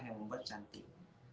yang membuat cantik